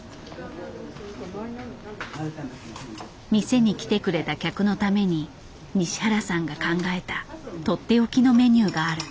店に来てくれた客のために西原さんが考えたとっておきのメニューがある。